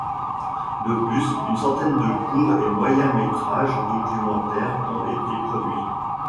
De plus, une centaine de courts et moyens métrages documentaires ont été produits.